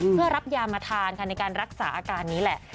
เพื่อรับยามาทานค่ะในการรักษาอาการนี้แหละ